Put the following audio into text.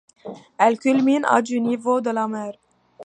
Elle culmine à du niveau de la mer.